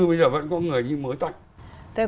bây giờ vẫn có người như mới toàn